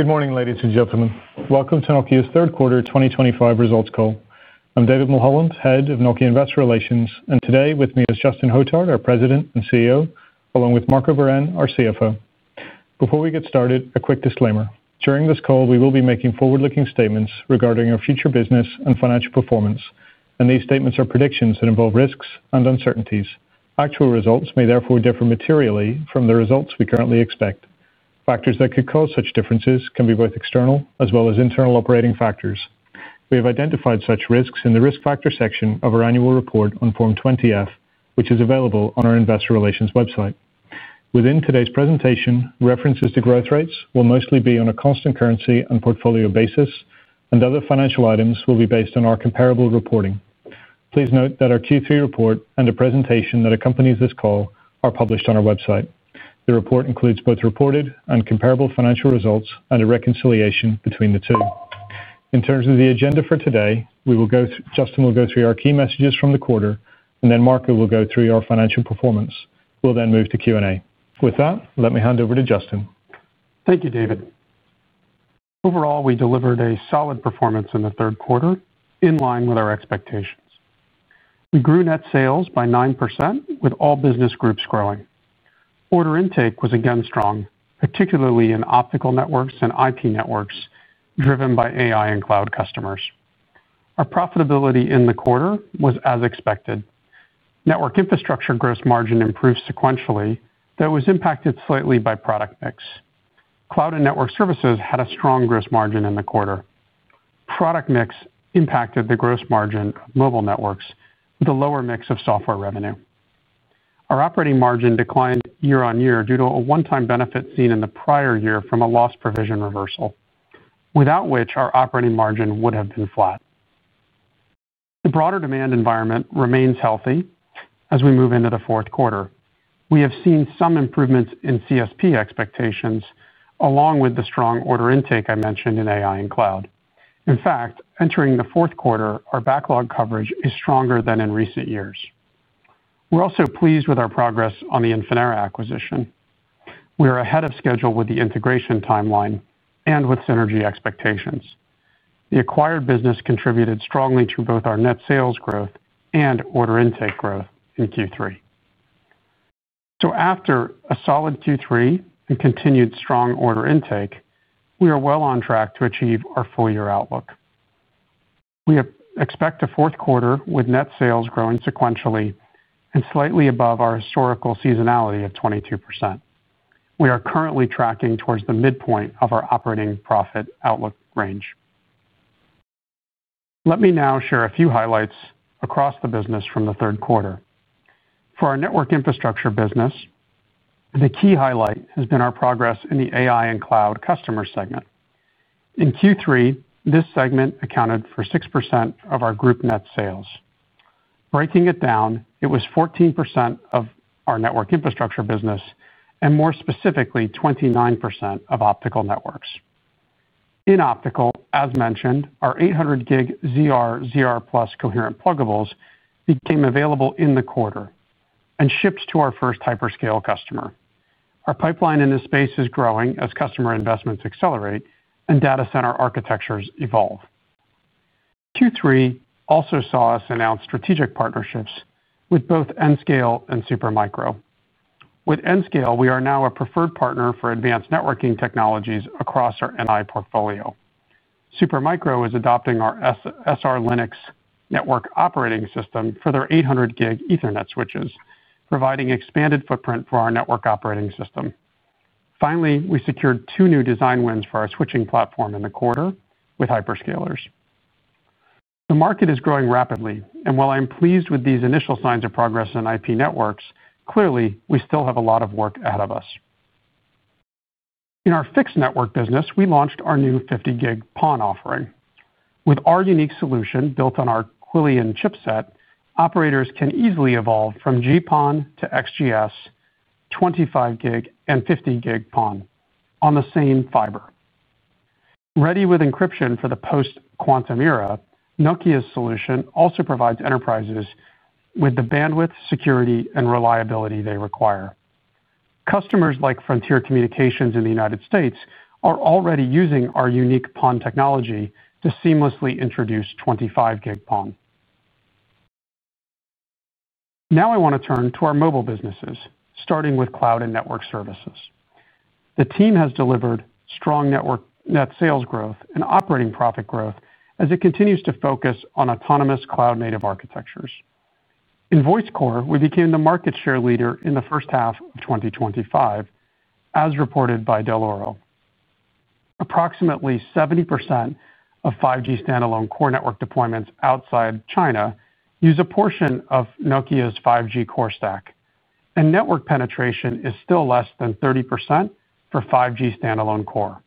Good morning, ladies and gentlemen. Welcome to Nokia's third quarter 2025 results call. I'm David Mulholland, Head of Nokia Investor Relations, and today with me is Justin Hotard, our President and CEO, along with Marco Wirén, our CFO. Before we get started, a quick disclaimer: during this call, we will be making forward-looking statements regarding our future business and financial performance, and these statements are predictions that involve risks and uncertainties. Actual results may therefore differ materially from the results we currently expect. Factors that could cause such differences can be both external as well as internal operating factors. We have identified such risks in the risk factor section of our annual report on Form 20-F, which is available on our Investor Relations website. Within today's presentation, references to growth rates will mostly be on a constant currency and portfolio basis, and other financial items will be based on our comparable reporting. Please note that our Q3 report and the presentation that accompanies this call are published on our website. The report includes both reported and comparable financial results and a reconciliation between the two. In terms of the agenda for today, Justin will go through our key messages from the quarter, and then Marco will go through our financial performance. We'll then move to Q&A. With that, let me hand over to Justin. Thank you, David. Overall, we delivered a solid performance in the third quarter, in line with our expectations. We grew net sales by 9%, with all business groups growing. Order intake was again strong, particularly in Optical Networks and IP Networks, driven by AI and cloud customers. Our profitability in the quarter was as expected. Network Infrastructure gross margin improved sequentially, though it was impacted slightly by product mix. Cloud and Network Services had a strong gross margin in the quarter. Product mix impacted the gross margin of Mobile Networks, with a lower mix of software revenue. Our operating margin declined year-on-year due to a one-time benefit seen in the prior year from a loss provision reversal, without which our operating margin would have been flat. The broader demand environment remains healthy as we move into the fourth quarter. We have seen some improvements in CSP expectations, along with the strong order intake I mentioned in AI and cloud. In fact, entering the fourth quarter, our backlog coverage is stronger than in recent years. We're also pleased with our progress on the Infinera acquisition. We are ahead of schedule with the integration timeline and with synergy expectations. The acquired business contributed strongly to both our net sales growth and order intake growth in Q3. After a solid Q3 and continued strong order intake, we are well on track to achieve our full-year outlook. We expect a fourth quarter with net sales growing sequentially and slightly above our historical seasonality of 22%. We are currently tracking towards the midpoint of our operating profit outlook range. Let me now share a few highlights across the business from the third quarter. For our Network Infrastructure business, the key highlight has been our progress in the AI and cloud customer segment. In Q3, this segment accounted for 6% of our group net sales. Breaking it down, it was 14% of our Network Infrastructure business, and more specifically, 29% of Optical Networks. In Optical, as mentioned, our 800G ZR/ZR+ coherent pluggables became available in the quarter and shipped to our first hyperscale customer. Our pipeline in this space is growing as customer investments accelerate and data center architectures evolve. Q3 also saw us announce strategic partnerships with both N-Scale and Supermicro. With N-Scale, we are now a preferred partner for advanced networking technologies across our NI portfolio. Supermicro is adopting our SR-Linux network operating system for their 800G Ethernet switches, providing expanded footprint for our network operating system. Finally, we secured two new design wins for our switching platform in the quarter with hyperscalers. The market is growing rapidly, and while I'm pleased with these initial signs of progress in IP Networks, clearly we still have a lot of work ahead of us. In our Fixed Networks business, we launched our new 50G PON offering. With our unique solution built on our Quillion chipset, operators can easily evolve from GPON to XGS, 25G, and 50G PON on the same fiber. Ready with encryption for the post-quantum era, Nokia's solution also provides enterprises with the bandwidth, security, and reliability they require. Customers like Frontier Communications in the United States are already using our unique PON technology to seamlessly introduce 25G PON. Now I want to turn to our mobile businesses, starting with Cloud and Network Services. The team has delivered strong net sales growth and operating profit growth as it continues to focus on autonomous cloud-native architectures. In Voice Core, we became the market share leader in the first half of 2025, as reported by Dell'Oro. Approximately 70% of 5G Standalone Core network deployments outside China use a portion of Nokia's 5G Core stack, and network penetration is still less than 30% for 5G Standalone Core.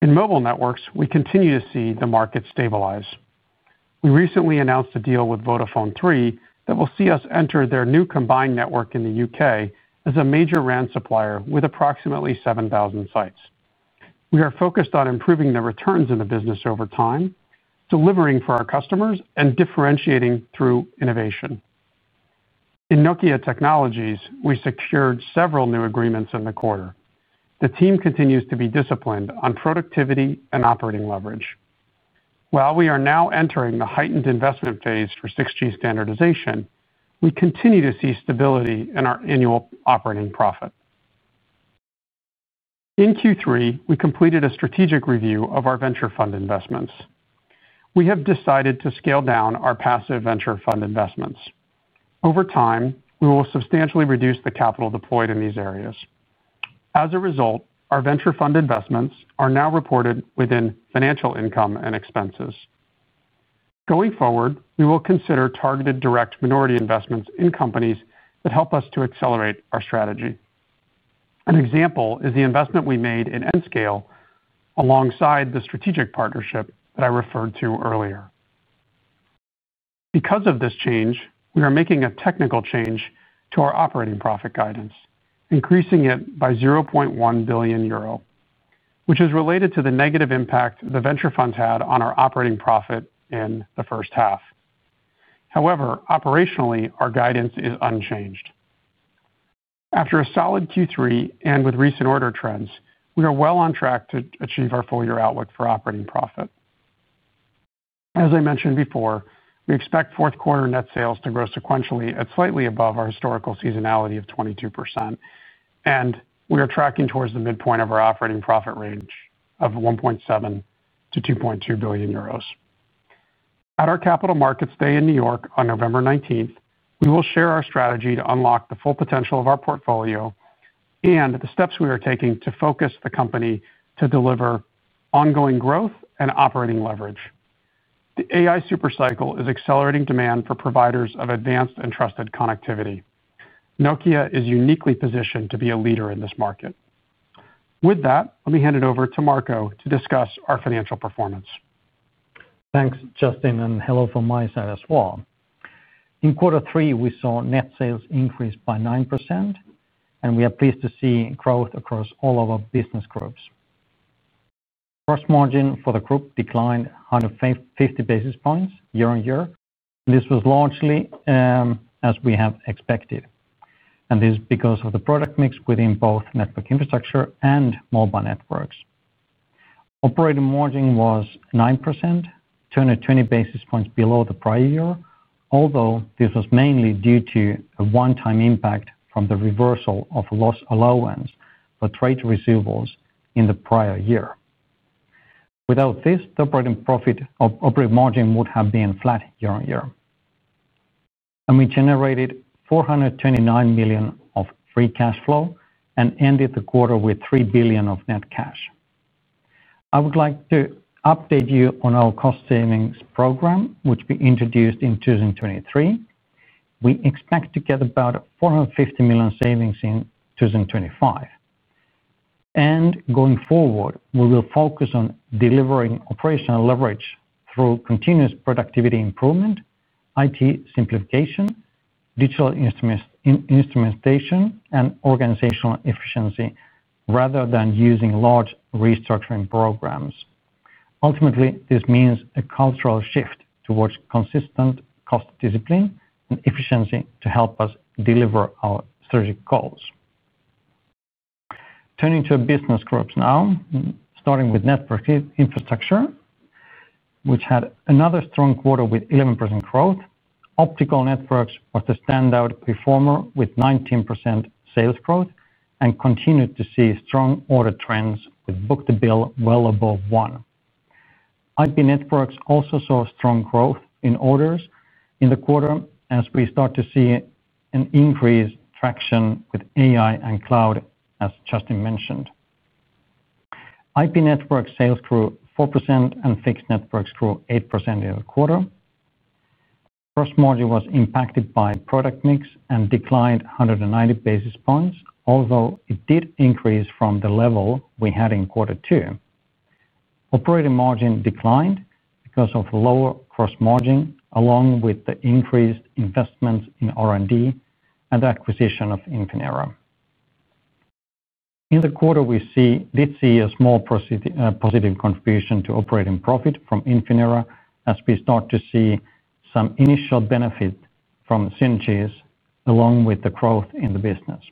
In Mobile Networks, we continue to see the market stabilize. We recently announced a deal with Vodafone Three that will see us enter their new combined network in the U.K. as a major RAN supplier with approximately 7,000 sites. We are focused on improving the returns in the business over time, delivering for our customers, and differentiating through innovation. In Nokia Technologies, we secured several new agreements in the quarter. The team continues to be disciplined on productivity and operating leverage. While we are now entering the heightened investment phase for 6G standardization, we continue to see stability in our annual operating profit. In Q3, we completed a strategic review of our venture fund investments. We have decided to scale down our passive venture fund investments. Over time, we will substantially reduce the capital deployed in these areas. As a result, our venture fund investments are now reported within financial income and expenses. Going forward, we will consider targeted direct minority investments in companies that help us to accelerate our strategy. An example is the investment we made in N-Scale alongside the strategic partnership that I referred to earlier. Because of this change, we are making a technical change to our operating profit guidance, increasing it by 0.1 billion euro, which is related to the negative impact the venture funds had on our operating profit in the first half. However, operationally, our guidance is unchanged. After a solid Q3 and with recent order trends, we are well on track to achieve our full-year outlook for operating profit. As I mentioned before, we expect fourth quarter net sales to grow sequentially at slightly above our historical seasonality of 22%, and we are tracking towards the midpoint of our operating profit range of 1.7-2.2 billion euros. At our Capital Markets Day in New York on November 19, we will share our strategy to unlock the full potential of our portfolio and the steps we are taking to focus the company to deliver ongoing growth and operating leverage. The AI supercycle is accelerating demand for providers of advanced and trusted connectivity. Nokia is uniquely positioned to be a leader in this market. With that, let me hand it over to Marco to discuss our financial performance. Thanks, Justin, and hello from my side as well. In quarter three, we saw net sales increase by 9%, and we are pleased to see growth across all of our business groups. Gross margin for the group declined 150 basis points year-on-year. This was largely as we have expected, and this is because of the product mix within both Network Infrastructure and Mobile Networks. Operating margin was 9%, 220 basis points below the prior year, although this was mainly due to a one-time impact from the reversal of loss allowance for trade residuals in the prior year. Without this, the operating profit margin would have been flat year on year. We generated 429 million of free cash flow and ended the quarter with 3 billion of net cash. I would like to update you on our cost savings program, which we introduced in 2023. We expect to get about 450 million savings in 2025. Going forward, we will focus on delivering operational leverage through continuous productivity improvement, IT simplification, digital instrumentation, and organizational efficiency, rather than using large restructuring programs. Ultimately, this means a cultural shift towards consistent cost discipline and efficiency to help us deliver our strategic goals. Turning to business groups now, starting with Network Infrastructure, which had another strong quarter with 11% growth. Optical Networks were the standout performer with 19% sales growth and continued to see strong order trends with book-to-bill well above one. IP Networks also saw strong growth in orders in the quarter, as we start to see an increased traction with AI and cloud, as Justin mentioned. IP Networks sales grew 4%, and Fixed Networks grew 8% in the quarter. Gross margin was impacted by the product mix and declined 190 basis points, although it did increase from the level we had in quarter two. Operating margin declined because of lower gross margin, along with the increased investments in R&D and acquisition of Infinera. In the quarter, we did see a small positive contribution to operating profit from Infinera as we start to see some initial benefit from synergies along with the growth in the business.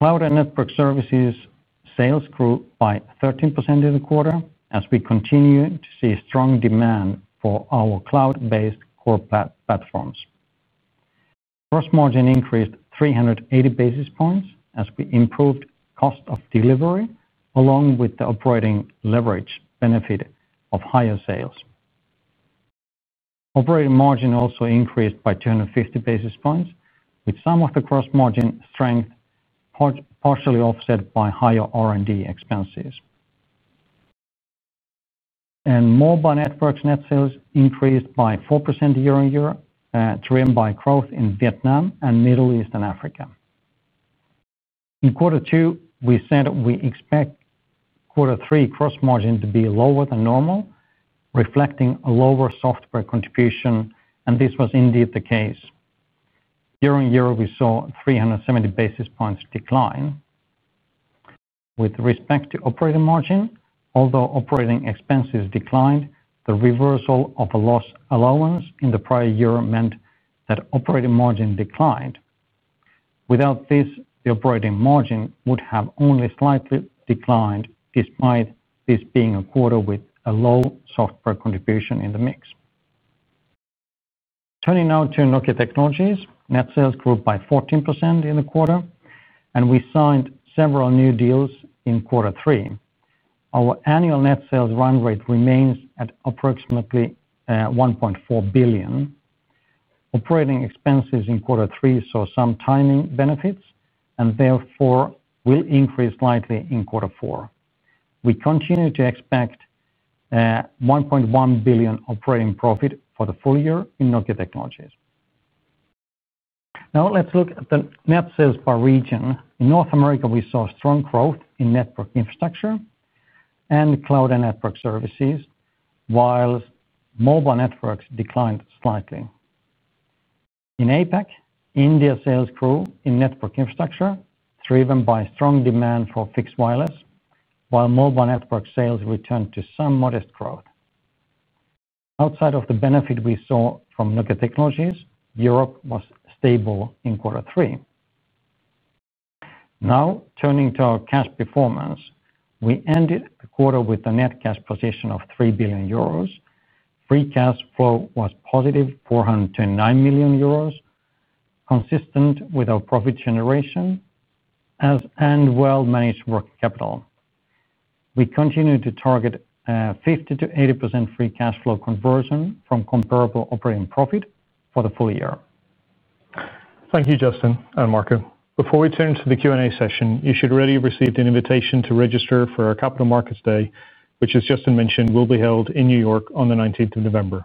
Cloud and Network Services sales grew by 13% in the quarter, as we continue to see strong demand for our cloud-based core platforms. Gross margin increased 380 basis points as we improved cost of delivery, along with the operating leverage benefit of higher sales. Operating margin also increased by 250 basis points, with some of the gross margin strength partially offset by higher R&D expenses. Mobile Networks net sales increased by 4% year-on-year, driven by growth in Vietnam and Middle East & Africa. In quarter two, we said we expect quarter three gross margin to be lower than normal, reflecting a lower software contribution, and this was indeed the case. Year on year, we saw a 370 basis points decline. With respect to operating margin, although operating expenses declined, the reversal of a loss allowance in the prior year meant that operating margin declined. Without this, the operating margin would have only slightly declined, despite this being a quarter with a low software contribution in the mix. Turning now to Nokia Technologies, net sales grew by 14% in the quarter, and we signed several new deals in quarter three. Our annual net sales run rate remains at approximately 1.4 billion. Operating expenses in quarter three saw some timing benefits and therefore will increase slightly in quarter four. We continue to expect 1.1 billion operating profit for the full year in Nokia Technologies. Now let's look at the net sales by region. In North America, we saw strong growth in Network Infrastructure and Cloud and Network Services, while Mobile Networks declined slightly. In APAC, India sales grew in Network Infrastructure, driven by strong demand for fixed wireless, while Mobile Networks sales returned to some modest growth. Outside of the benefit we saw from Nokia Technologies, Europe was stable in quarter three. Now turning to our cash performance, we ended the quarter with a net cash position of 3 billion euros. Free cash flow was positive 429 million euros, consistent with our profit generation and well-managed working capital. We continue to target 50%-80% free cash flow conversion from comparable operating profit for the full year. Thank you, Justin and Marco. Before we turn to the Q&A session, you should already have received an invitation to register for our Capital Markets Day, which, as Justin mentioned, will be held in New York on the 19th of November.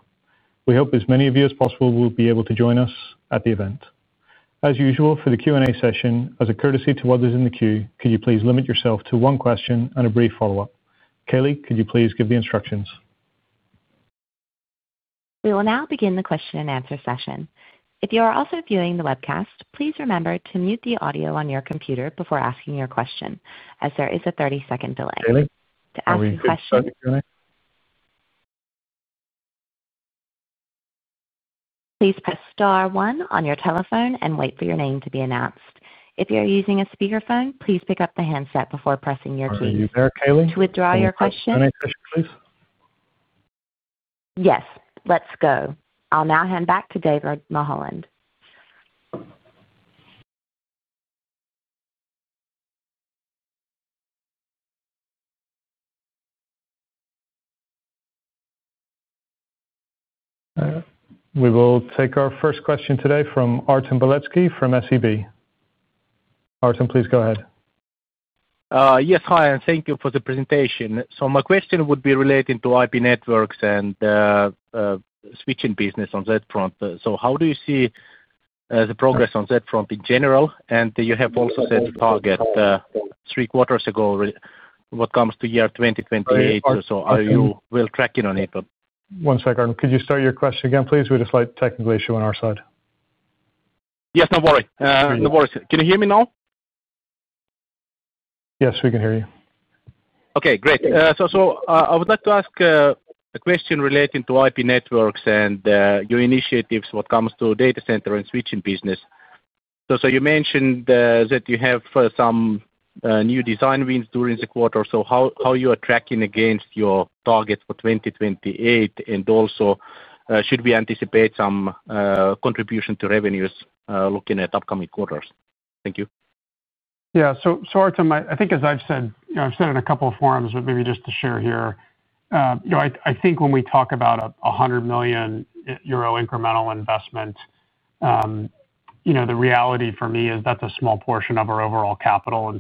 We hope as many of you as possible will be able to join us at the event. As usual, for the Q&A session, as a courtesy to others in the queue, could you please limit yourself to one question and a brief follow-up? Kayleigh, could you please give the instructions? We will now begin the question and answer session. If you are also viewing the webcast, please remember to mute the audio on your computer before asking your question, as there is a 30-second delay. Please press star one on your telephone and wait for your name to be announced. If you are using a speakerphone, please pick up the handset before pressing your key. To withdraw your question, yes, let's go. I'll now hand back to David Mulholland. We will take our first question today from Artem Beletsky from SEB. Artem, please go ahead. Yes, hi, and thank you for the presentation. My question would be related to IP Networks and switching business on that front. How do you see the progress on that front in general? You have also said target three quarters ago, what comes to year 2028? Are you well tracking on it? One second. Could you start your question again, please? We just had a technical issue on our side. No worries. Can you hear me now? Yes, we can hear you. Okay, great. I would like to ask a question relating to IP Networks and your initiatives, what comes to data center and switching business. You mentioned that you have some new design wins during the quarter. How are you tracking against your targets for 2028? Also, should we anticipate some contribution to revenues looking at upcoming quarters? Thank you. Yeah, so Artem, I think, as I've said, I've said in a couple of forums, but maybe just to share here, I think when we talk about a 100 million euro incremental investment, the reality for me is that's a small portion of our overall capital.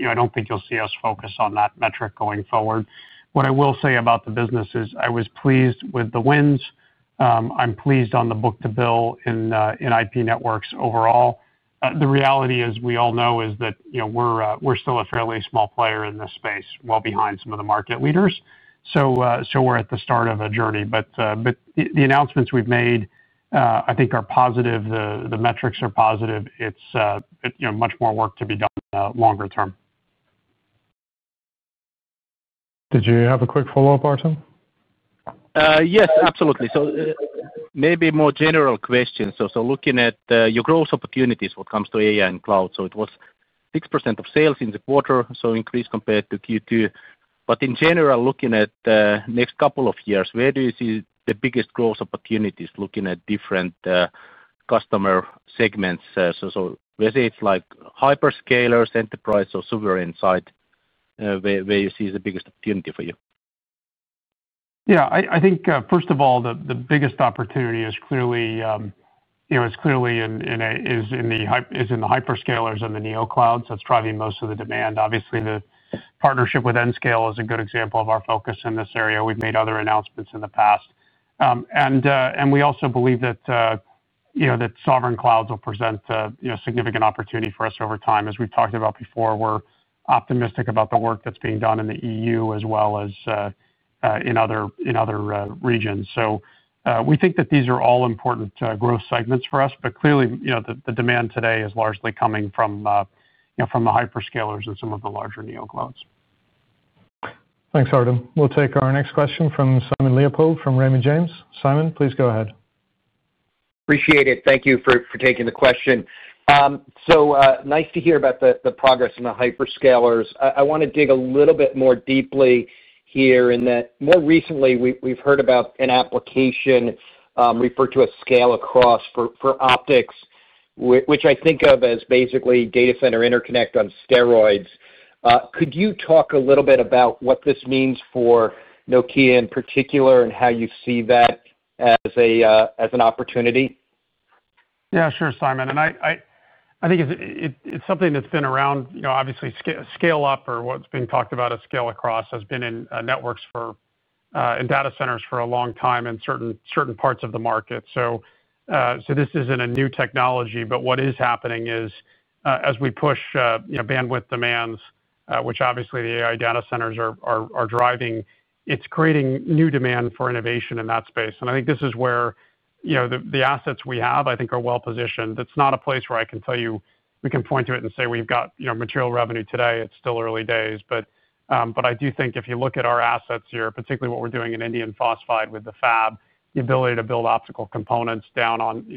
I don't think you'll see us focus on that metric going forward. What I will say about the business is I was pleased with the wins. I'm pleased on the book-to-bill in IP Networks overall. The reality is, we all know, is that we're still a fairly small player in this space, well behind some of the market leaders. We're at the start of a journey. The announcements we've made, I think, are positive. The metrics are positive. It's much more work to be done longer term. Did you have a quick follow-up, Artem? Yes, absolutely. Maybe a more general question. Looking at your growth opportunities, what comes to AI and cloud? It was 6% of sales in the quarter, so increased compared to Q2. In general, looking at the next couple of years, where do you see the biggest growth opportunities, looking at different customer segments? Whether it's like hyperscalers, enterprise, or sovereign side, where you see the biggest opportunity for you? Yeah, I think, first of all, the biggest opportunity is clearly in the hyperscalers and the neoclouds that's driving most of the demand. Obviously, the partnership with N-Scale is a good example of our focus in this area. We've made other announcements in the past. We also believe that sovereign clouds will present significant opportunity for us over time. As we've talked about before, we're optimistic about the work that's being done in the EU as well as in other regions. We think that these are all important growth segments for us. Clearly, the demand today is largely coming from the hyperscalers and some of the larger neoclouds. Thanks, Artem. We'll take our next question from Simon Leopold from Raymond James. Simon, please go ahead. Appreciate it. Thank you for taking the question. Nice to hear about the progress in the hyperscalers. I want to dig a little bit more deeply here in that more recently we've heard about an application referred to as Scale Across for optics, which I think of as basically data center interconnect on steroids. Could you talk a little bit about what this means for Nokia in particular and how you see that as an opportunity? Yeah, sure, Simon. I think it's something that's been around. Obviously, Scale Up, or what's being talked about as Scale Across, has been in networks and data centers for a long time in certain parts of the market. This isn't a new technology, but what is happening is as we push bandwidth demands, which obviously the AI data centers are driving, it's creating new demand for innovation in that space. I think this is where the assets we have, I think, are well positioned. It's not a place where I can tell you we can point to it and say we've got material revenue today. It's still early days. I do think if you look at our assets here, particularly what we're doing in indium phosphide with the fab, the ability to build optical components down on the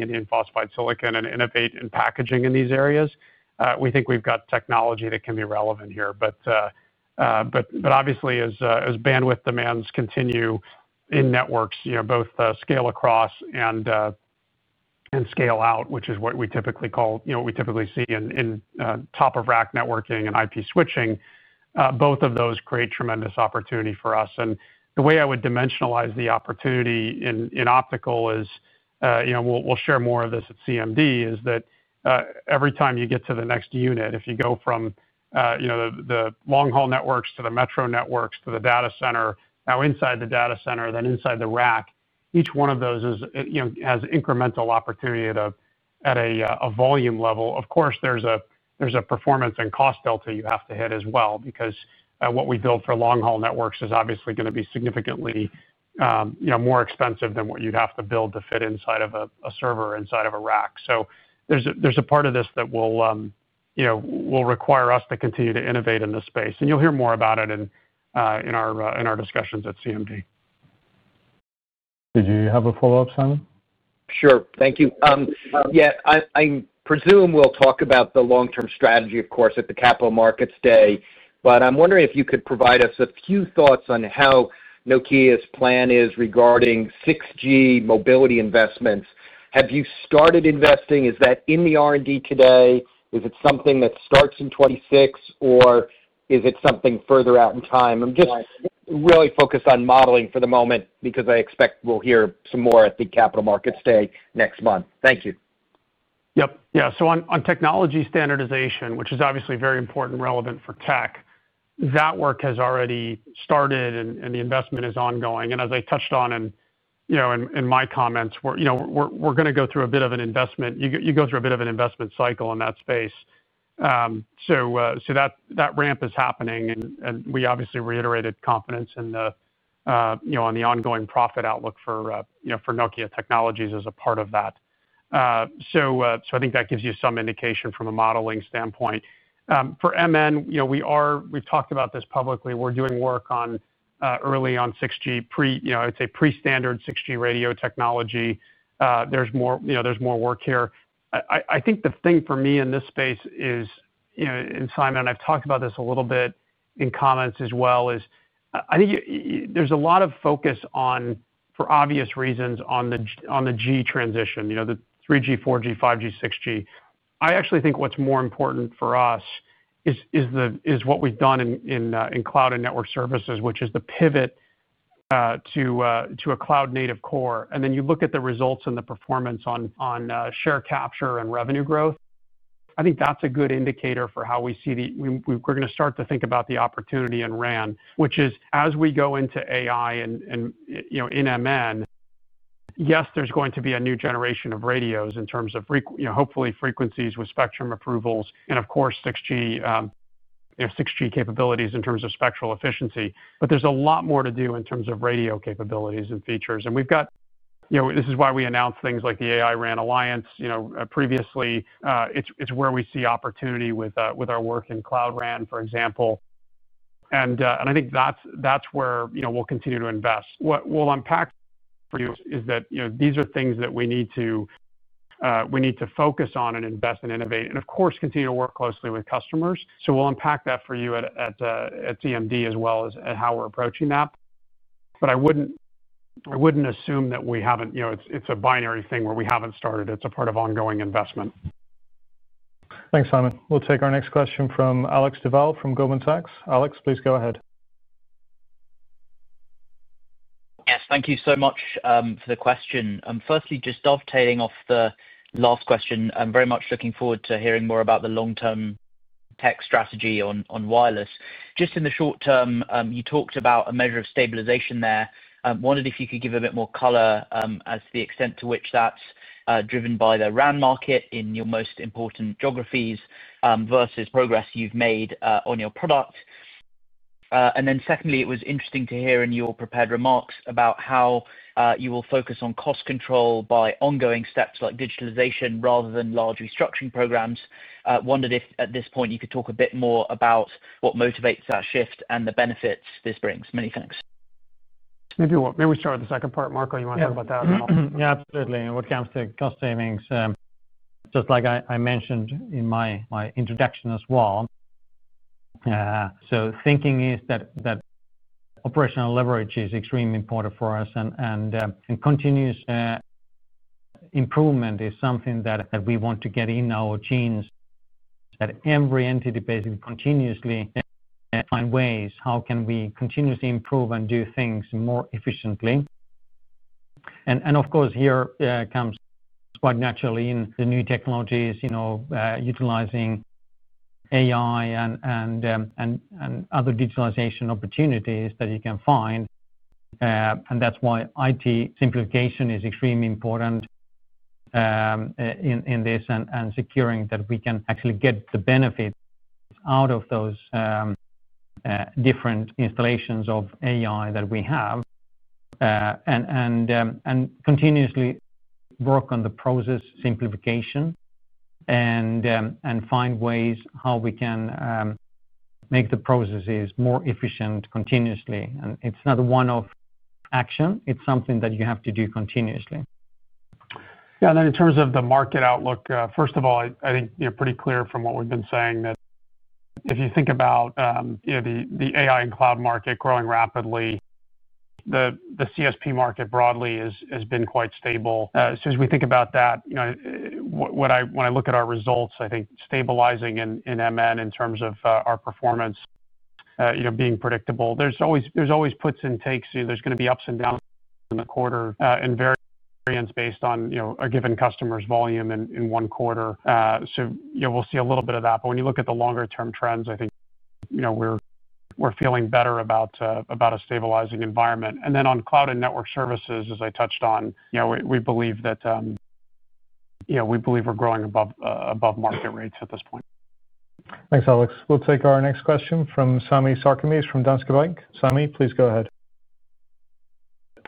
indium phosphide silicon and innovate in packaging in these areas, we think we've got technology that can be relevant here. Obviously, as bandwidth demands continue in networks, both Scale Across and Scale Out, which is what we typically see in top-of-rack networking and IP switching, both of those create tremendous opportunity for us. The way I would dimensionalize the opportunity in optical is, and we'll share more of this at CMD, is that every time you get to the next unit, if you go from the long-haul networks to the metro networks to the data center, now inside the data center, then inside the rack, each one of those has incremental opportunity at a volume level. Of course, there's a performance and cost delta you have to hit as well, because what we build for long-haul networks is obviously going to be significantly more expensive than what you'd have to build to fit inside of a server or inside of a rack. There's a part of this that will require us to continue to innovate in this space. You'll hear more about it in our discussions at CMD. Did you have a follow-up, Simon? Sure, thank you. I presume we'll talk about the long-term strategy, of course, at the Capital Markets Day. I'm wondering if you could provide us a few thoughts on how Nokia's plan is regarding 6G mobility investments. Have you started investing? Is that in the R&D today? Is it something that starts in 2026, or is it something further out in time? I'm just really focused on modeling for the moment, because I expect we'll hear some more at the Capital Markets Day next month. Thank you. On technology standardization, which is obviously very important and relevant for tech, that work has already started and the investment is ongoing. As I touched on in my comments, we're going to go through a bit of an investment. You go through a bit of an investment cycle in that space. That ramp is happening. We obviously reiterated confidence on the ongoing profit outlook for Nokia Technologies as a part of that. I think that gives you some indication from a modeling standpoint. For MN, we've talked about this publicly. We're doing work early on 6G, I would say pre-standard 6G radio technology. There's more work here. The thing for me in this space is, and Simon and I have talked about this a little bit in comments as well, I think there's a lot of focus on, for obvious reasons, on the G transition, the 3G, 4G, 5G, 6G. I actually think what's more important for us is what we've done in Cloud and Network Services, which is the pivot to a cloud-native core. Then you look at the results and the performance on share capture and revenue growth. I think that's a good indicator for how we see the we're going to start to think about the opportunity in RAN, which is, as we go into AI and in MN, yes, there's going to be a new generation of radios in terms of, hopefully, frequencies with spectrum approvals and, of course, 6G capabilities in terms of spectral efficiency. There's a lot more to do in terms of radio capabilities and features. This is why we announced things like the AI RAN Alliance previously. It's where we see opportunity with our work in Cloud RAN, for example. I think that's where we'll continue to invest. What we'll unpack for you is that these are things that we need to focus on and invest and innovate and, of course, continue to work closely with customers. We'll unpack that for you at CMD as well as how we're approaching that. I wouldn't assume that we haven't. It's a binary thing where we haven't started. It's a part of ongoing investment. Thanks, Simon. We'll take our next question from Alex Duval from Goldman Sachs. Alex, please go ahead. Yes, thank you so much for the question. Firstly, just dovetailing off the last question, I'm very much looking forward to hearing more about the long-term tech strategy on wireless. Just in the short term, you talked about a measure of stabilization there. I wondered if you could give a bit more color as to the extent to which that's driven by the RAN market in your most important geographies versus progress you've made on your product. Secondly, it was interesting to hear in your prepared remarks about how you will focus on cost control by ongoing steps like digitalization rather than large restructuring programs. I wondered if at this point you could talk a bit more about what motivates that shift and the benefits this brings. Many thanks. Maybe we start with the second part, Marco. You want to talk about that? Yeah, absolutely. When it comes to cost savings, just like I mentioned in my introduction as well, operational leverage is extremely important for us. Continuous improvement is something that we want to get in our genes, that every entity basically continuously finds ways how can we continuously improve and do things more efficiently. Of course, here comes quite naturally in the new technologies, utilizing AI and other digitalization opportunities that you can find. That's why IT simplification is extremely important in this and securing that we can actually get the benefit out of those different installations of AI that we have and continuously work on the process simplification and find ways how we can make the processes more efficient continuously. It's not a one-off action. It's something that you have to do continuously. Yeah, and then in terms of the market outlook, first of all, I think you're pretty clear from what we've been saying that if you think about the AI and cloud market growing rapidly, the CSP market broadly has been quite stable. As we think about that, when I look at our results, I think stabilizing in MN in terms of our performance being predictable, there's always puts and takes. There's going to be ups and downs in the quarter and variance based on a given customer's volume in one quarter. We'll see a little bit of that. When you look at the longer-term trends, I think we're feeling better about a stabilizing environment. Then on Cloud and Network Services, as I touched on, we believe we're growing above market rates at this point. Thanks, Alex. We'll take our next question from Sami Sarkamies from Danske Bank. Sami, please go ahead.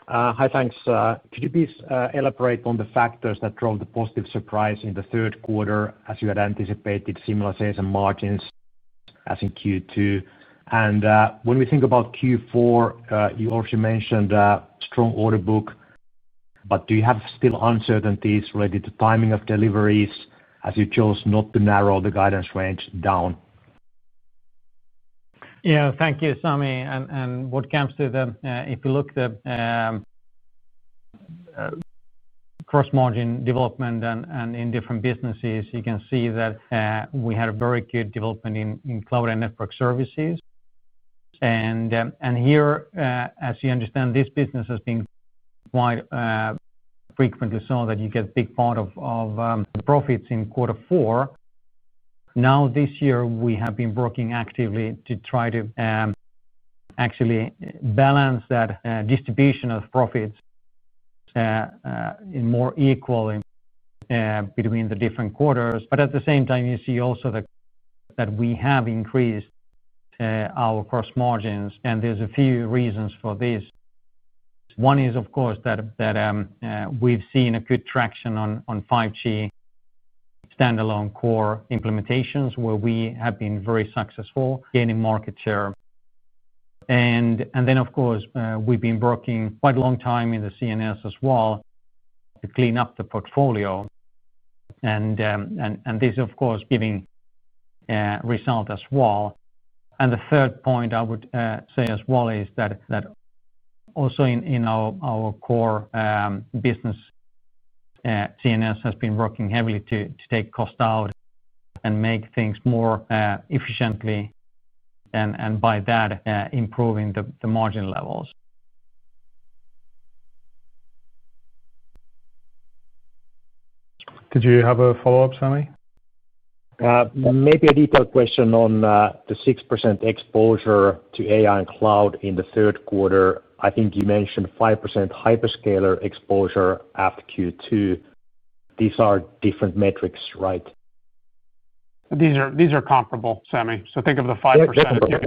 Hi, thanks. Could you please elaborate on the factors that drove the positive surprise in the third quarter, as you had anticipated similar sales and margins as in Q2? When we think about Q4, you also mentioned a strong order book, but do you have still uncertainties related to timing of deliveries as you chose not to narrow the guidance range down? Yeah, thank you, Sami. If you look at gross margin development and in different businesses, you can see that we had a very good development in Cloud and Network Services. Here, as you understand, this business has been quite frequently so that you get a big part of the profits in quarter four. This year, we have been working actively to try to actually balance that distribution of profits more equally between the different quarters. At the same time, you see also that we have increased our gross margins. There are a few reasons for this. One is, of course, that we've seen good traction on 5G Standalone Core implementations, where we have been very successful gaining market share. We've been working quite a long time in the CNS as well to clean up the portfolio. This, of course, is giving results as well. The third point I would say is that also in our core business, CNS has been working heavily to take cost out and make things more efficiently, and by that, improving the margin levels. Did you have a follow-up, Sami? Maybe a detailed question on the 6% exposure to AI and cloud in the third quarter. I think you mentioned 5% hyperscaler exposure after Q2. These are different metrics, right? These are comparable, Sami. Think of the 5% as Q3,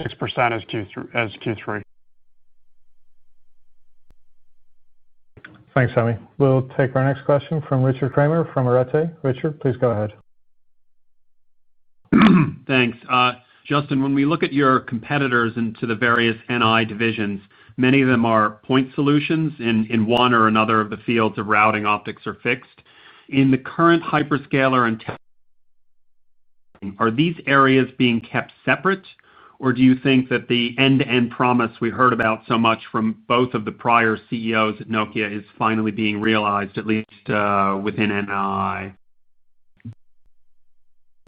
6% as Q3. Thanks, Sami. We'll take our next question from Richard Kramer from Arete. Richard, please go ahead. Thanks. Justin, when we look at your competitors into the various NI divisions, many of them are point solutions in one or another of the fields of routing, optics, or fixed. In the current hyperscaler and tech, are these areas being kept separate, or do you think that the end-to-end promise we heard about so much from both of the prior CEOs at Nokia is finally being realized, at least within NI?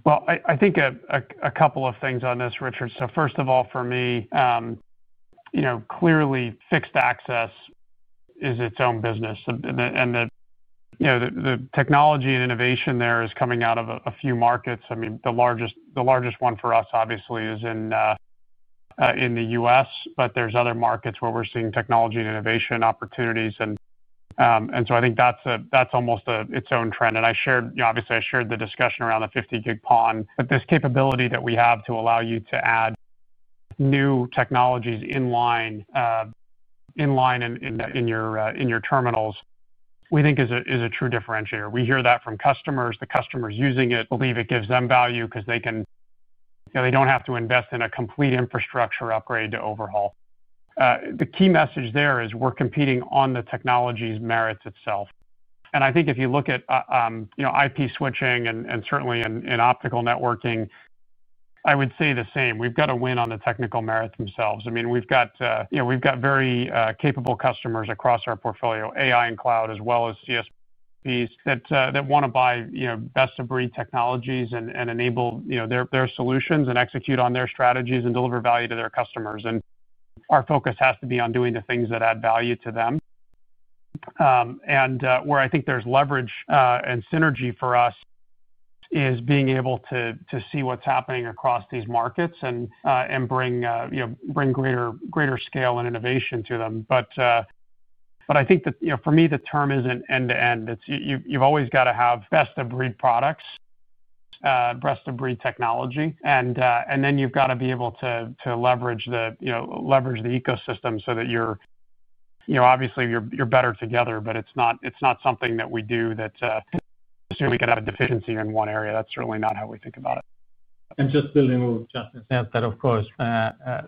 I think a couple of things on this, Richard. First of all, for me, clearly fixed access is its own business. The technology and innovation there is coming out of a few markets. The largest one for us, obviously, is in the U.S., but there are other markets where we're seeing technology and innovation opportunities. I think that's almost its own trend. Obviously, I shared the discussion around the 50G PON. This capability that we have to allow you to add new technologies in line in your terminals, we think is a true differentiator. We hear that from customers. The customers using it believe it gives them value because they don't have to invest in a complete infrastructure upgrade to overhaul. The key message there is we're competing on the technology's merits itself. I think if you look at IP switching and certainly in optical networking, I would say the same. We've got to win on the technical merits themselves. We've got very capable customers across our portfolio, AI and cloud, as well as CSPs that want to buy best-of-breed technologies and enable their solutions and execute on their strategies and deliver value to their customers. Our focus has to be on doing the things that add value to them. Where I think there's leverage and synergy for us is being able to see what's happening across these markets and bring greater scale and innovation to them. For me, the term isn't end-to-end. You've always got to have best-of-breed products, best-of-breed technology. Then you've got to be able to leverage the ecosystem so that, obviously, you're better together. It's not something that we do that assume we could have a deficiency in one area. That's certainly not how we think about it. Building on what Justin said,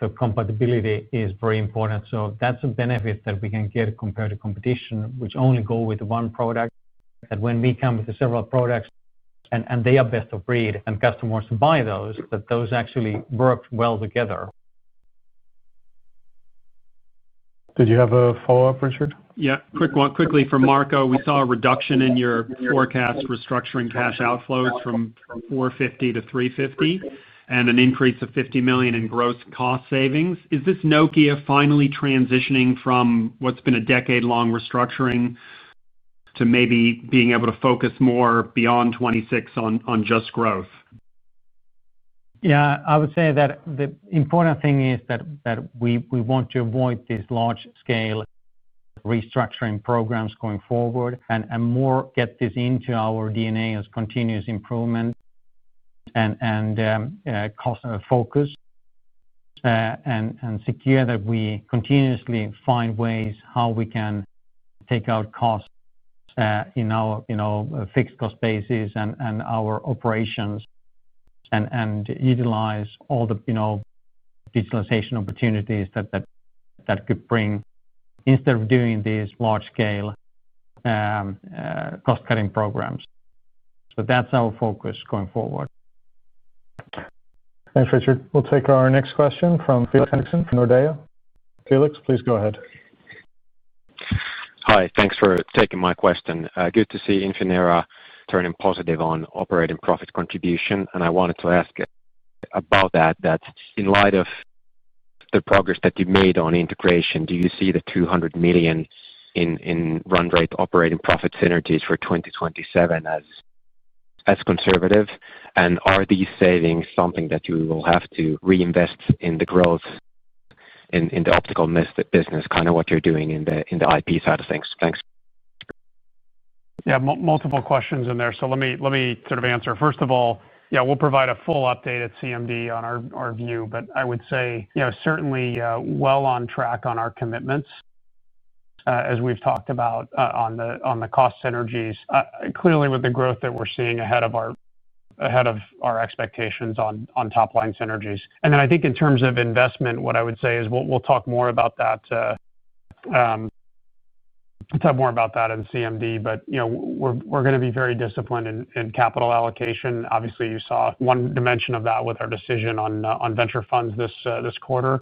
the compatibility is very important. That's a benefit that we can get compared to competition, which only go with one product. When we come with several products and they are best-of-breed and customers buy those, those actually work well together. Did you have a follow-up, Richard? Quick one from Marco. We saw a reduction in your forecast restructuring cash outflows from 450 million to 350 million and an increase of 50 million in gross cost savings. Is this Nokia finally transitioning from what's been a decade-long restructuring to maybe being able to focus more beyond 2026 on just growth? I would say that the important thing is that we want to avoid these large-scale restructuring programs going forward and more get this into our DNA as continuous improvement and customer focus, and secure that we continuously find ways how we can take out costs in our fixed cost basis and our operations and utilize all the digitalization opportunities that could bring instead of doing these large-scale cost-cutting programs. That's our focus going forward. Thanks, Richard. We'll take our next question from Felix Henriksson from Nordea. Felix, please go ahead. Hi, thanks for taking my question. Good to see Infinera turning positive on operating profit contribution. I wanted to ask about that, that in light of the progress that you've made on integration, do you see the 200 million in run rate operating profit synergies for 2027 as conservative? Are these savings something that you will have to reinvest in the growth in the optical business, kind of what you're doing in the IP side of things? Thanks. Yeah, multiple questions in there. Let me sort of answer. First of all, yeah, we'll provide a full update at CMD on our view. I would say certainly well on track on our commitments, as we've talked about on the cost synergies, clearly with the growth that we're seeing ahead of our expectations on top-line synergies. I think in terms of investment, what I would say is we'll talk more about that. We'll talk more about that in CMD. We're going to be very disciplined in capital allocation. Obviously, you saw one dimension of that with our decision on venture funds this quarter.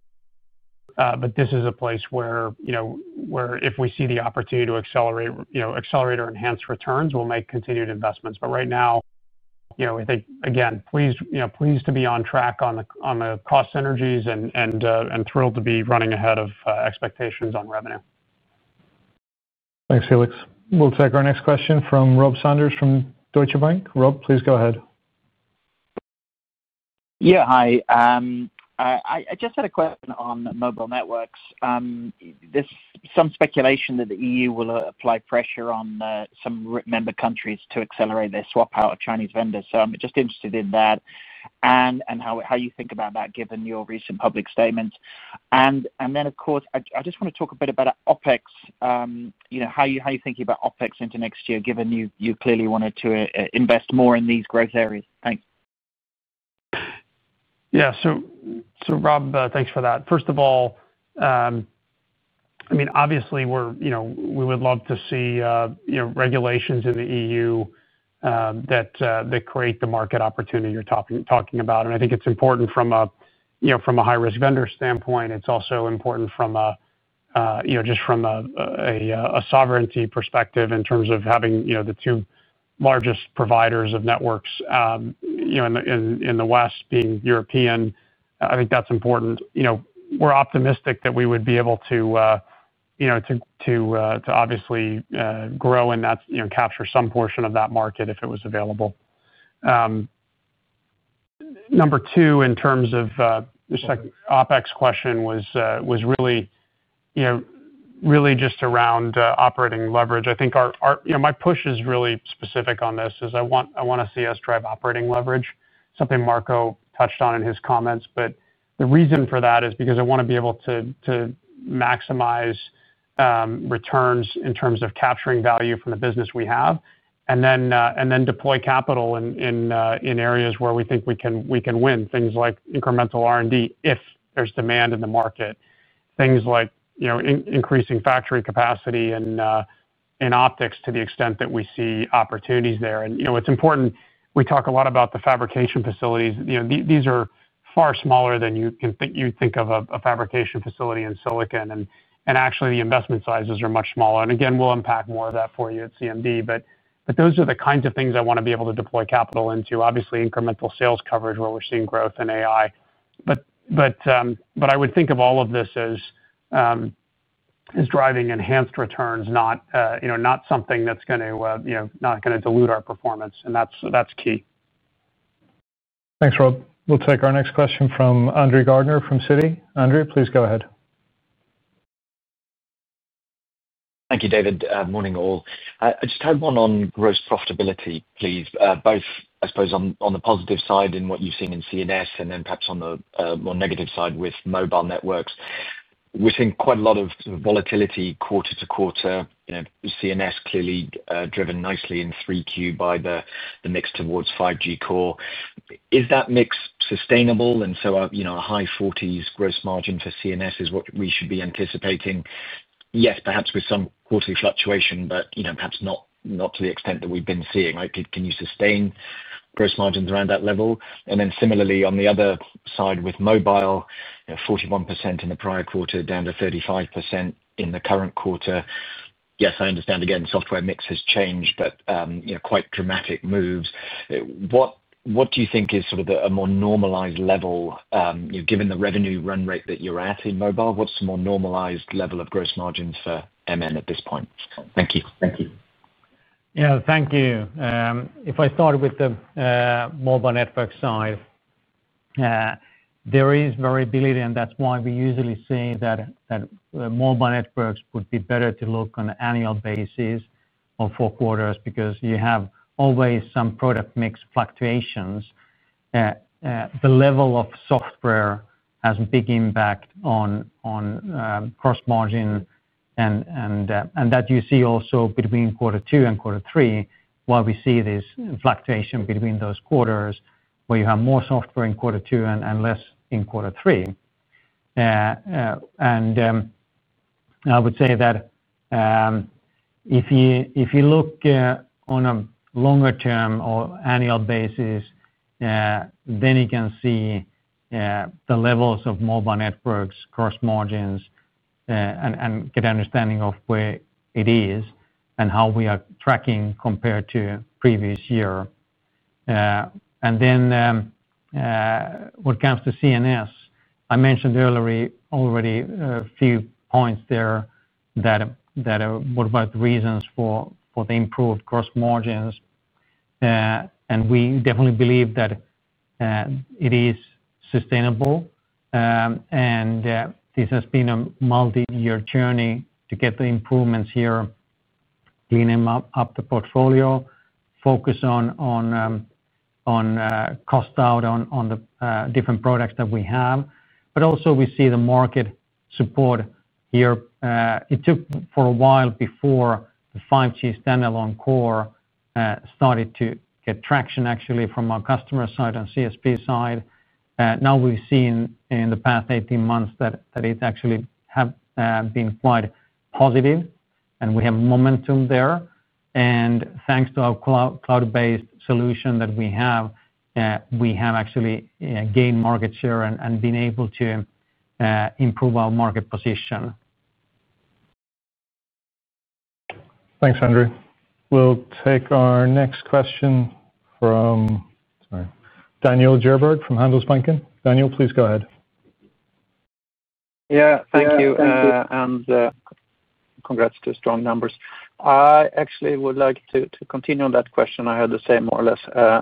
This is a place where, if we see the opportunity to accelerate or enhance returns, we'll make continued investments. Right now, I think, again, pleased to be on track on the cost synergies and thrilled to be running ahead of expectations on revenue. Thanks, Felix. We'll take our next question from Rob Saunders from Deutsche Bank. Rob, please go ahead. Hi. I just had a question on Mobile Networks. There's some speculation that the EU will apply pressure on some member countries to accelerate their swap out of Chinese vendors. I'm just interested in that and how you think about that, given your recent public statements. I just want to talk a bit about OpEx. How are you thinking about OpEx into next year, given you clearly wanted to invest more in these growth areas? Thanks. Yeah, so Rob, thanks for that. First of all, obviously, we would love to see regulations in the EU that create the market opportunity you're talking about. I think it's important from a high-risk vendor standpoint. It's also important just from a sovereignty perspective in terms of having the two largest providers of networks in the West being European. I think that's important. We're optimistic that we would be able to obviously grow and capture some portion of that market if it was available. Number two, in terms of the second OpEx question, it was really just around operating leverage. I think my push is really specific on this. I want to see us drive operating leverage, something Marco touched on in his comments. The reason for that is because I want to be able to maximize returns in terms of capturing value from the business we have and then deploy capital in areas where we think we can win, things like incremental R&D if there's demand in the market, things like increasing factory capacity in optics to the extent that we see opportunities there. It's important. We talk a lot about the fabrication facilities. These are far smaller than you think of a fabrication facility in silicon, and actually, the investment sizes are much smaller. We'll unpack more of that for you at CMD. Those are the kinds of things I want to be able to deploy capital into, obviously incremental sales coverage where we're seeing growth in AI. I would think of all of this as driving enhanced returns, not something that's going to dilute our performance. That's key. Thanks, Rob. We'll take our next question from Andrew Gartner from Citi. Andrew, please go ahead. Thank you, David. Morning all. I just had one on gross profitability, please, both, I suppose, on the positive side in what you've seen in CNS and then perhaps on the more negative side with Mobile Networks. We're seeing quite a lot of volatility quarter to quarter. CNS clearly driven nicely in 3Q by the mix towards 5G Core. Is that mix sustainable? A high 40% gross margin for CNS is what we should be anticipating, perhaps with some quarterly fluctuation, but perhaps not to the extent that we've been seeing. Can you sustain gross margins around that level? Similarly, on the other side with Mobile, 41% in the prior quarter, down to 35% in the current quarter. I understand, again, software mix has changed, but quite dramatic moves. What do you think is sort of a more normalized level, given the revenue run rate that you're at in Mobile? What's the more normalized level of gross margins for MN at this point? Thank you. Yeah, thank you. If I start with the Mobile Networks side, there is variability, and that's why we usually say that Mobile Networks would be better to look at on an annual basis or four quarters because you have always some product mix fluctuations. The level of software has a big impact on gross margin, and that you see also between quarter two and quarter three, which is why we see this fluctuation between those quarters where you have more software in quarter two and less in quarter three. I would say that if you look on a longer-term or annual basis, then you can see the levels of Mobile Networks gross margins and get an understanding of where it is and how we are tracking compared to the previous year. When it comes to CNS, I mentioned earlier already a few points there that are about the reasons for the improved gross margins. We definitely believe that it is sustainable. This has been a multi-year journey to get the improvements here, cleaning up the portfolio, focus on cost out on the different products that we have. We also see the market support here. It took a while before the 5G Core stack started to get traction, actually, from our customer side on CSP side. Now we've seen in the past 18 months that it's actually been quite positive, and we have momentum there. Thanks to our cloud-based solution that we have, we have actually gained market share and been able to improve our market position. Thanks, Andrew. We'll take our next question from Daniel Djurberg from Handelsbanken. Daniel, please go ahead. Thank you, and congrats to strong numbers. I actually would like to continue on that question I had to say more or less.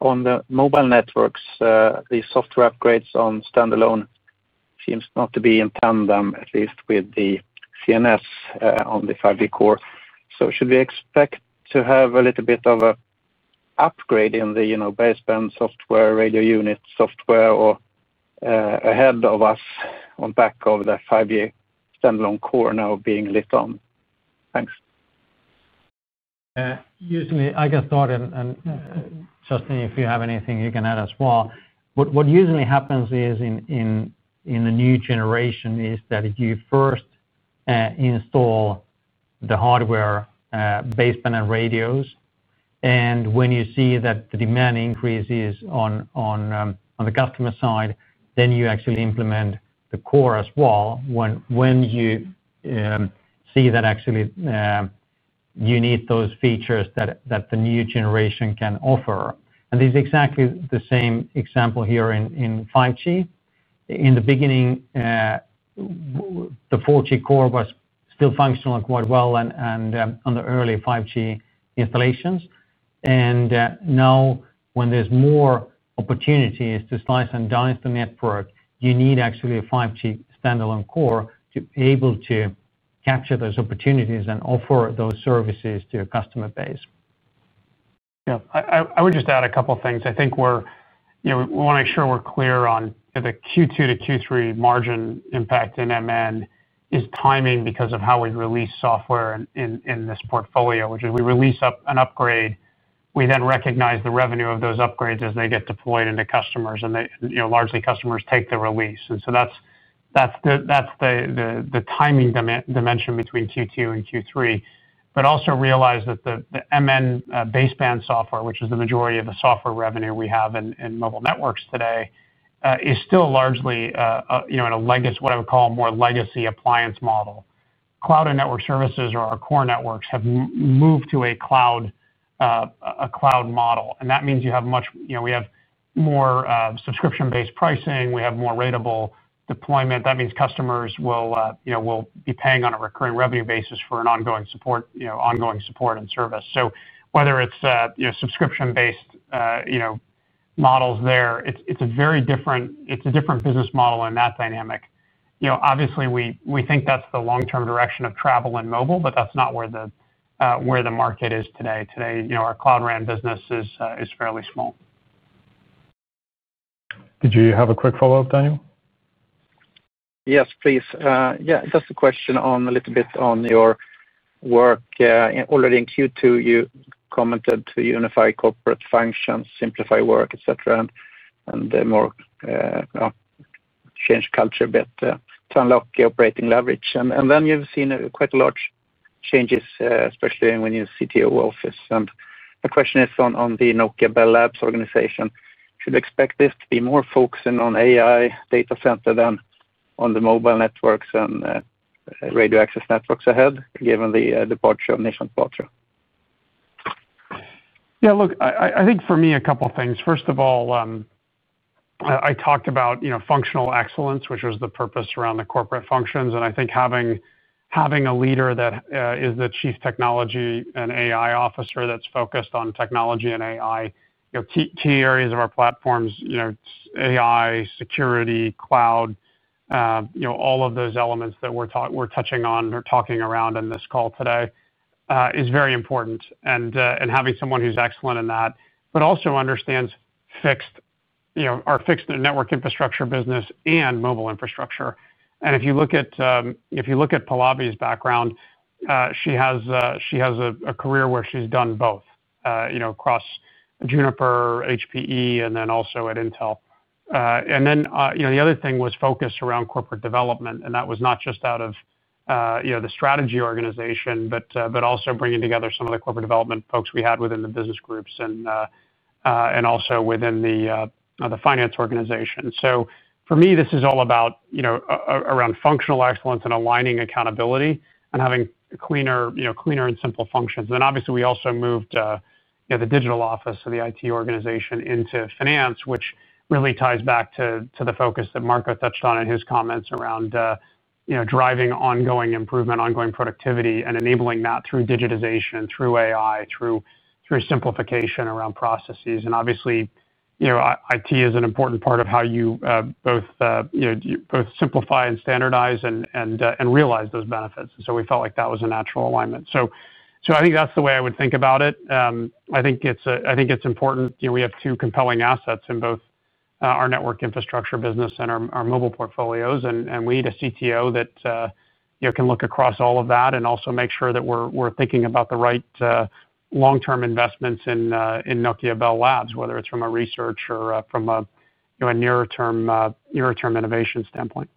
On the Mobile Networks, the software upgrades on standalone seem not to be in tandem, at least with the CNS on the 5G Core. Should we expect to have a little bit of an upgrade in the baseband software, radio unit software, or ahead of us on the back of the 5G Standalone Core now being lit on? Thanks. I can start. Justin, if you have anything you can add as well. What usually happens in the new generation is that you first install the hardware, baseband, and radios. When you see that the demand increases on the customer side, you actually implement the core as well when you see that you need those features that the new generation can offer. This is exactly the same example here in 5G. In the beginning, the 4G core was still functional quite well on the early 5G installations. Now, when there's more opportunities to slice and dice the network, you need a 5G Standalone Core to be able to capture those opportunities and offer those services to a customer base. Yeah, I would just add a couple of things. I think we want to make sure we're clear on the Q2 to Q3 margin impact in Mobile Networks is timing because of how we release software in this portfolio, which is we release an upgrade. We then recognize the revenue of those upgrades as they get deployed into customers. Largely, customers take the release, and that's the timing dimension between Q2 and Q3. Also realize that the Mobile Networks baseband software, which is the majority of the software revenue we have in Mobile Networks today, is still largely in a, what I would call, a more legacy appliance model. Cloud and Network Services or our core networks have moved to a cloud model, and that means we have more subscription-based pricing. We have more rateable deployment. That means customers will be paying on a recurring revenue basis for ongoing support and service. Whether it's subscription-based models there, it's a very different business model in that dynamic. Obviously, we think that's the long-term direction of travel in mobile, but that's not where the market is today. Today, our Cloud RAN business is fairly small. Did you have a quick follow-up, Daniel? Yes, please. Just a question on your work. Already in Q2, you commented to unify corporate functions, simplify work, etc., and change culture a bit to unlock the operating leverage. You've seen quite large changes, especially when you're in the CTO office. The question is on the Nokia Bell Labs organization. Should we expect this to be more focusing on AI data center than on the Mobile Networks and Radio Access Networks ahead, given the departure of Nishant Batra? Yeah, look, I think for me, a couple of things. First of all, I talked about functional excellence, which was the purpose around the corporate functions. I think having a leader that is the Chief Technology and AI Officer that's focused on technology and AI, key areas of our platforms, AI, security, cloud, all of those elements that we're touching on or talking around in this call today is very important. Having someone who's excellent in that, but also understands our fixed network infrastructure business and mobile infrastructure. If you look at Pallavi's background, she has a career where she's done both across Juniper, HPE, and then also at Intel. The other thing was focused around corporate development. That was not just out of the strategy organization, but also bringing together some of the corporate development folks we had within the business groups and also within the finance organization. For me, this is all about functional excellence and aligning accountability and having cleaner and simple functions. Obviously, we also moved the digital office, so the IT organization, into finance, which really ties back to the focus that Marco touched on in his comments around driving ongoing improvement, ongoing productivity, and enabling that through digitization, through AI, through simplification around processes. Obviously, IT is an important part of how you both simplify and standardize and realize those benefits. We felt like that was a natural alignment. I think that's the way I would think about it. I think it's important. We have two compelling assets in both our Network Infrastructure business and our mobile portfolios. We need a CTO that can look across all of that and also make sure that we're thinking about the right long-term investments in Nokia Bell Labs, whether it's from a research or from a nearer-term innovation standpoint.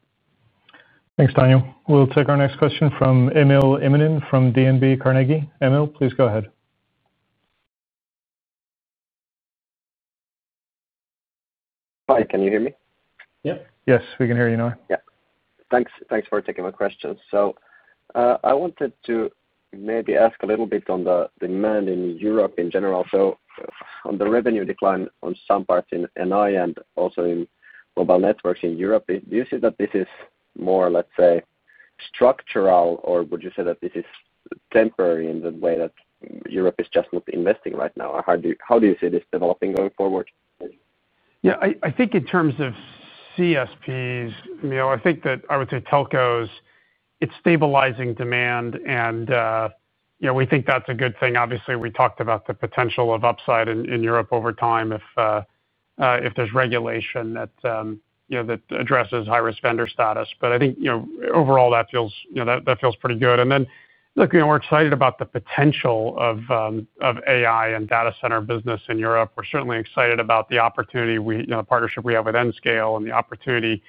Thanks, Daniel. We'll take our next question from Emil Immonen from DNB Carnegie. Emil, please go ahead. Hi, can you hear me? Yes, we can hear you, Nokia. Thanks for taking my question. I wanted to maybe ask a little bit on the demand in Europe in general. On the revenue decline on some parts in Network Infrastructure and also in Mobile Networks in Europe, do you see that this is more, let's say, structural, or would you say that this is temporary in the way that Europe is just not investing right now? How do you see this developing going forward? Yeah, I think in terms of CSPs, I think that I would say telcos, it's stabilizing demand. We think that's a good thing. Obviously, we talked about the potential of upside in Europe over time if there's regulation that addresses high-risk vendor status. I think overall, that feels pretty good. We're excited about the potential of AI and data center business in Europe. We're certainly excited about the opportunity, the partnership we have with N-Scale, and the opportunity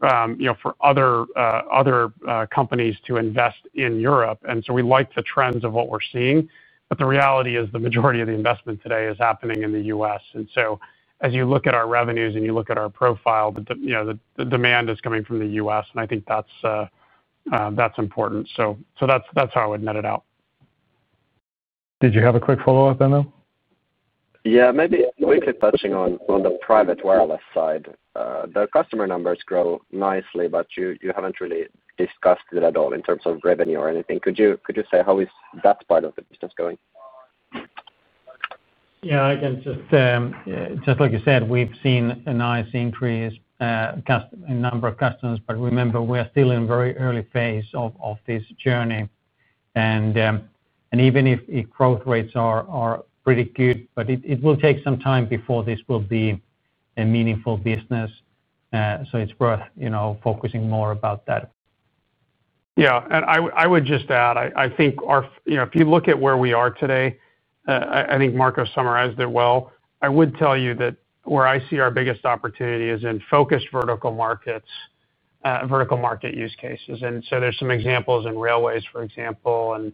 for other companies to invest in Europe. We like the trends of what we're seeing. The reality is the majority of the investment today is happening in the U.S. As you look at our revenues and you look at our profile, the demand is coming from the U.S. I think that's important. That's how I would net it out. Did you have a quick follow-up, Daniel? Yeah, maybe we could touch on the private wireless side. The customer numbers grow nicely, but you haven't really discussed it at all in terms of revenue or anything. Could you say how is that part of the business going? Yeah, just like you said, we've seen a nice increase in the number of customers. Remember, we are still in a very early phase of this journey. Even if growth rates are pretty good, it will take some time before this will be a meaningful business. It's worth focusing more about that. Yeah, I would just add, I think if you look at where we are today, I think Marco summarized it well. I would tell you that where I see our biggest opportunity is in focused vertical market use cases. There's some examples in railways, for example,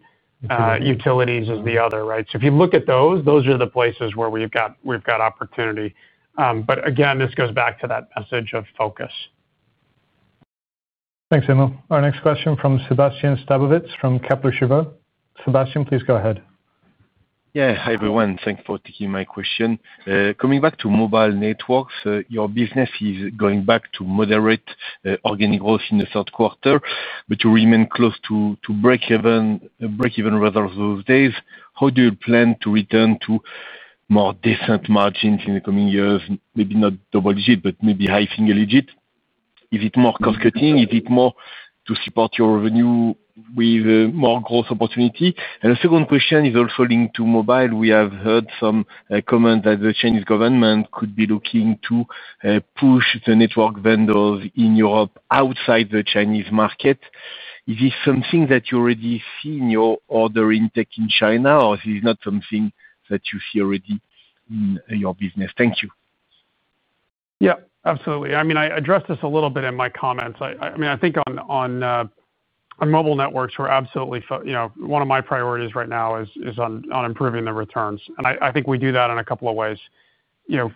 and utilities is the other, right? If you look at those, those are the places where we've got opportunity. This goes back to that message of focus. Thanks, Emil. Our next question from Sébastien Sztabowicz from Kepler Cheuvreux. Sébastien, please go ahead. Yeah, hi everyone. Thanks for taking my question. Coming back to Mobile Networks, your business is going back to moderate organic growth in the third quarter, but you remain close to break-even results these days. How do you plan to return to more decent margins in the coming years? Maybe not double-digit, but maybe high single-digit? Is it more cost-cutting? Is it more to support your revenue with more growth opportunity? The second question is also linked to mobile. We have heard some comments that the Chinese government could be looking to push the network vendors in Europe outside the Chinese market. Is this something that you already see in your order intake in China, or is this not something that you see already in your business? Thank you. Yeah, absolutely. I mean, I addressed this a little bit in my comments. I mean, I think on Mobile Networks, we're absolutely, you know, one of my priorities right now is on improving the returns. I think we do that in a couple of ways.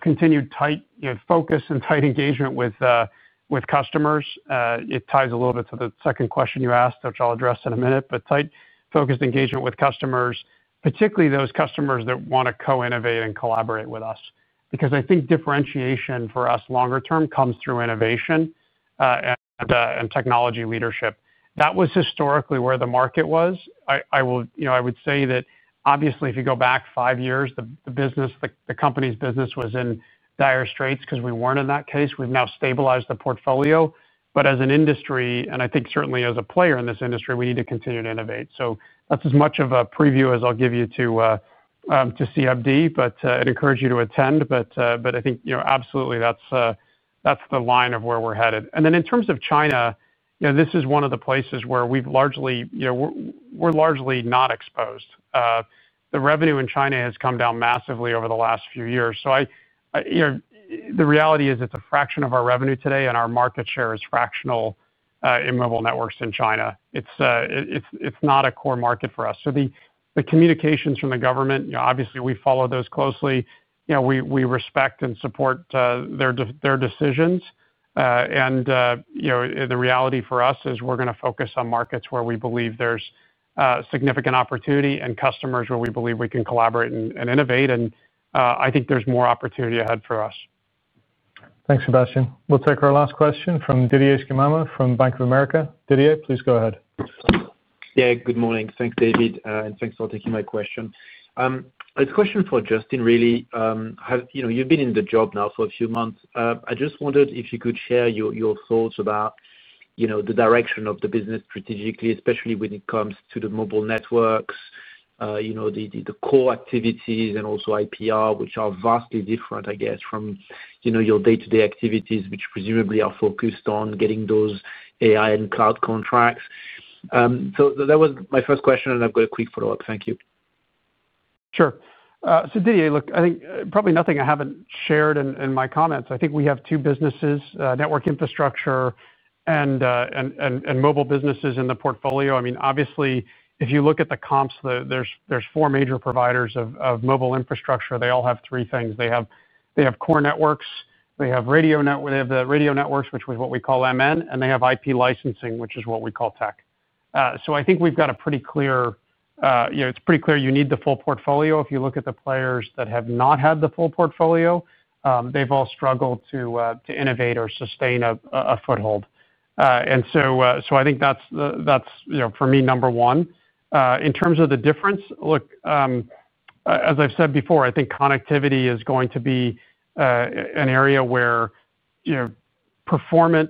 Continued tight focus and tight engagement with customers. It ties a little bit to the second question you asked, which I'll address in a minute. Tight focused engagement with customers, particularly those customers that want to co-innovate and collaborate with us. I think differentiation for us longer term comes through innovation and technology leadership. That was historically where the market was. I would say that obviously, if you go back five years, the company's business was in dire straits because we weren't in that case. We've now stabilized the portfolio. As an industry, and I think certainly as a player in this industry, we need to continue to innovate. That's as much of a preview as I'll give you to CMD, but I'd encourage you to attend. I think absolutely that's the line of where we're headed. In terms of China, this is one of the places where we're largely not exposed. The revenue in China has come down massively over the last few years. The reality is it's a fraction of our revenue today, and our market share is fractional in Mobile Networks in China. It's not a core market for us. The communications from the government, obviously, we follow those closely. We respect and support their decisions. The reality for us is we're going to focus on markets where we believe there's significant opportunity and customers where we believe we can collaborate and innovate. I think there's more opportunity ahead for us. Thanks, Sébastien. We'll take our last question from Didier Scemama from Bank of America. Didier, please go ahead. Yeah, good morning. Thanks, David, and thanks for taking my question. It's a question for Justin, really. You've been in the job now for a few months. I just wondered if you could share your thoughts about the direction of the business strategically, especially when it comes to the Mobile Networks, the core activities, and also IPR, which are vastly different, I guess, from your day-to-day activities, which presumably are focused on getting those AI and cloud contracts. That was my first question, and I've got a quick follow-up. Thank you. Sure. Didier, look, I think probably nothing I haven't shared in my comments. I think we have two businesses, Network Infrastructure and Mobile Networks, in the portfolio. Obviously, if you look at the comps, there are four major providers of mobile infrastructure. They all have three things: they have core networks, they have radio networks, which is what we call MN, and they have IP licensing, which is what we call tech. I think we've got a pretty clear, it's pretty clear you need the full portfolio. If you look at the players that have not had the full portfolio, they've all struggled to innovate or sustain a foothold. For me, that's number one. In terms of the difference, as I've said before, I think connectivity is going to be an area where performant,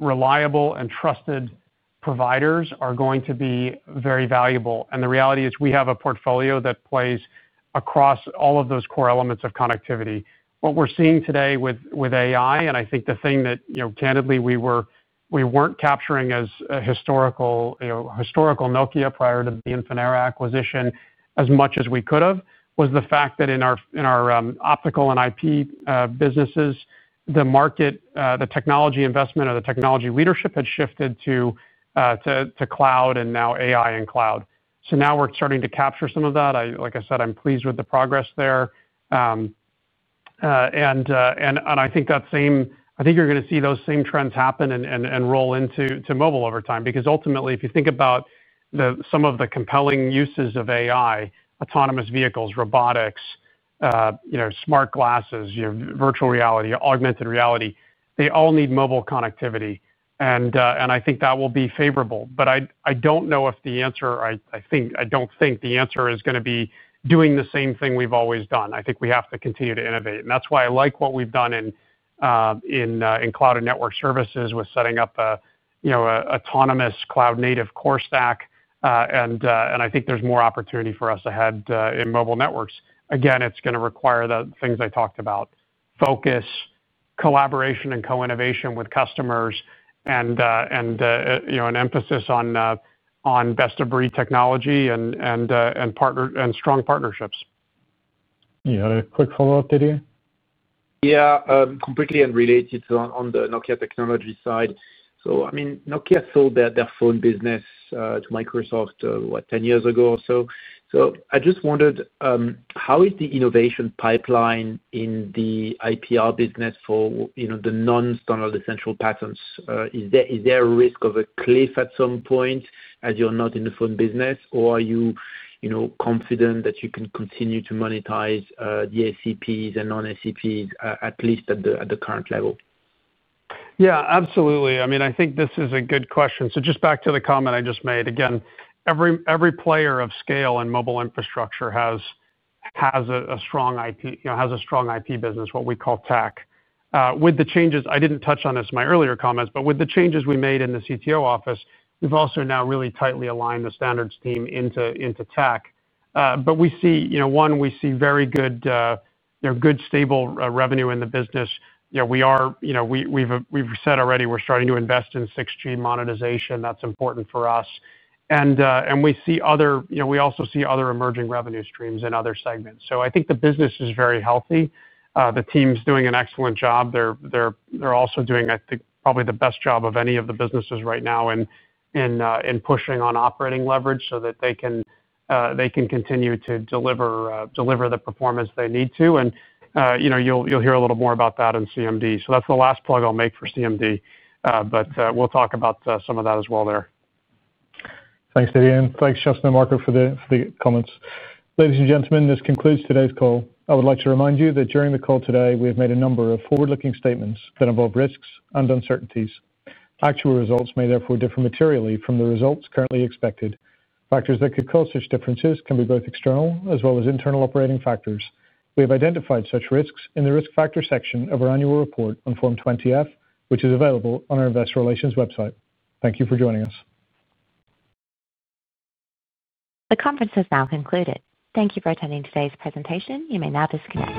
reliable, and trusted providers are going to be very valuable. The reality is we have a portfolio that plays across all of those core elements of connectivity. What we're seeing today with AI, and I think the thing that candidly we weren't capturing as historical Nokia prior to the Infinera acquisition as much as we could have, was the fact that in our Optical and IP Networks businesses, the market, the technology investment, or the technology leadership had shifted to cloud and now AI and cloud. Now we're starting to capture some of that. Like I said, I'm pleased with the progress there. I think you're going to see those same trends happen and roll into mobile over time. Ultimately, if you think about some of the compelling uses of AI—autonomous vehicles, robotics, smart glasses, virtual reality, augmented reality—they all need mobile connectivity. I think that will be favorable. I don't know if the answer, I don't think the answer is going to be doing the same thing we've always done. I think we have to continue to innovate. That's why I like what we've done in Cloud and Network Services with setting up an autonomous cloud-native core stack. I think there's more opportunity for us ahead in Mobile Networks. Again, it's going to require the things I talked about: focus, collaboration, and co-innovation with customers, and an emphasis on best-of-breed technology and strong partnerships. You had a quick follow-up, Didier? Yeah, completely unrelated on the Nokia technology side. I mean, Nokia sold their phone business to Microsoft, what, 10 years ago or so. I just wondered, how is the innovation pipeline in the IPR business for the non-standard essential patents? Is there a risk of a cliff at some point as you're not in the phone business, or are you confident that you can continue to monetize the SEPs and non-SEPs, at least at the current level? Yeah, absolutely. I mean, I think this is a good question. Just back to the comment I just made. Again, every player of scale in mobile infrastructure has a strong IP business, what we call tech. With the changes, I didn't touch on this in my earlier comments, but with the changes we made in the CTO office, we've also now really tightly aligned the standards team into tech. We see, one, we see very good, stable revenue in the business. We've said already we're starting to invest in 6G monetization. That's important for us. We also see other emerging revenue streams in other segments. I think the business is very healthy. The team's doing an excellent job. They're also doing, I think, probably the best job of any of the businesses right now in pushing on operating leverage so that they can continue to deliver the performance they need to. You'll hear a little more about that in CMD. That's the last plug I'll make for CMD. We'll talk about some of that as well there. Thanks, Didier. Thanks, Justin and Marco, for the comments. Ladies and gentlemen, this concludes today's call. I would like to remind you that during the call today, we have made a number of forward-looking statements that involve risks and uncertainties. Actual results may therefore differ materially from the results currently expected. Factors that could cause such differences can be both external as well as internal operating factors. We have identified such risks in the risk factor section of our annual report on Form 20-F, which is available on our Investor Relations website. Thank you for joining us. The conference has now concluded. Thank you for attending today's presentation. You may now disconnect.